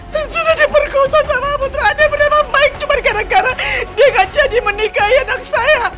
saya sudah diperkosa sama putra anda bernama mike cuma gara gara dia gak jadi menikahi anak saya